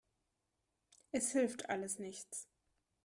Es hilft alles nichts.